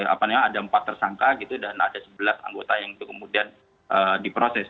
apa namanya ada empat tersangka gitu dan ada sebelas anggota yang itu kemudian diproses